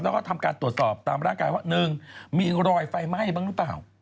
แล้วก็ทำการตรวจสอบตามร่างกายว่า๑มีรอยไฟไหม้บ้างหรือเปล่า